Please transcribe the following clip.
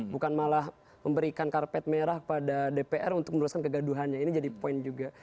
bukan malah memberikan karpet merah kepada dpr untuk meneruskan kegaduhannya ini jadi poin juga